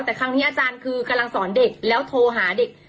แต่ครั้งนี้อาจารย์คือกำลังสอนเด็กแล้วโทรหาเด็ก